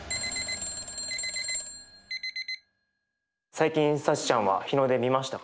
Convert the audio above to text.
最近サチちゃんは日の出見ましたか？